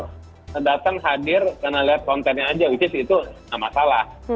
audiens itu datang hadir karena lihat kontennya aja which is itu itu masalah